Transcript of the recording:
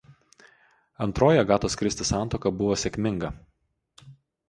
Antroji Agatos Kristi santuoka buvo sėkminga.